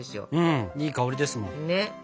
うんいい香りですもん。ね。